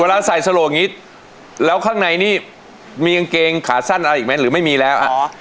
ใส่สลกอย่างนี้แล้วข้างในนี่มีกางเกงขาสั้นอะไรอีกไหมหรือไม่มีแล้ว